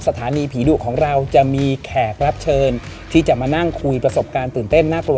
สถานีผีดุของเราจะมีแขกรับเชิญที่จะมานั่งคุยประสบการณ์ตื่นเต้นน่ากลัว